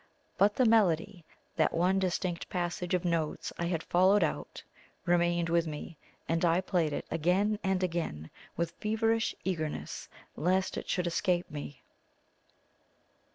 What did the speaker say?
But the melody that one distinct passage of notes I had followed out remained with me, and I played it again and again with feverish eagerness lest it should escape me.